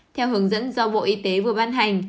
theo hướng dẫn do bộ y tế vừa ban hành